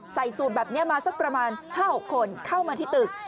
ใส่สูตรแบบนี้มาสักประมาณ๕๖คนเข้ามาที่ตึก